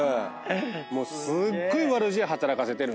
もうすっごい悪知恵働かせてるんですよ。